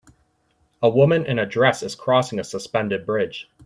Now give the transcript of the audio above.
A woman in a dress is crossing a suspended bridge.